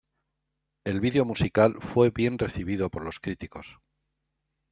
El video musical fue bien recibido por los críticos.